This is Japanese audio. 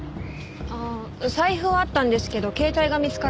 ああ財布はあったんですけど携帯が見つからなくて。